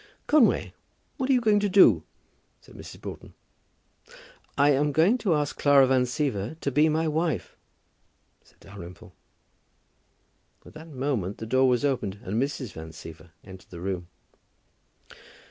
"Conway, what are you going to do?" said Mrs. Broughton. "I am going to ask Clara Van Siever to be my wife," said Dalrymple. At that moment the door was opened, and Mrs. Van Siever entered the room.